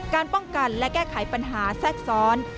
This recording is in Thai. การป้องกันและแก้ไขปัญหาแทรกซ้อน